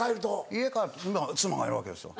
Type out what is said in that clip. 家帰ると妻がいるわけですよ。